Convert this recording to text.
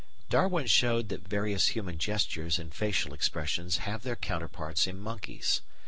Darwin showed that various human gestures and facial expressions have their counterparts in monkeys.